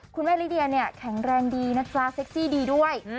คุณแม่ลิเดียเนี่ยแข็งแรงดีนะจ๊ะเซ็กซี่ดีด้วย